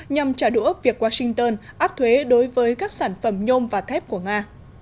nhằm trả đũa việc washington áp thuế đối với các sản phẩm nhôm và thép của nga